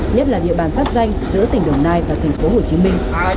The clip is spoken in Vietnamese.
nhất là địa bàn giáp danh giữa tỉnh đồng nai và thành phố hồ chí minh